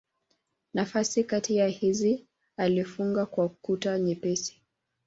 Nafasi kati ya hizi alifunga kwa kuta nyepesi.